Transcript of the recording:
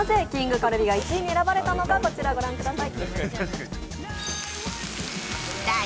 カルビが１位に選ばれたのかこちらを御覧ください。